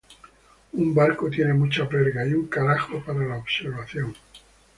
Un barco tiene muchas vergas y un carajo para la observación.